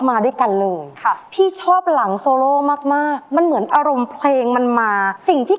แข่งความเดียวใดฉันปวดเล้าเหมือนถึงคราวสิ้นใจ